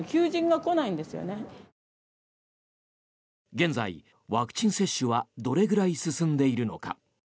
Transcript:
現在、ワクチン接種はどれぐらい進んでいるのか。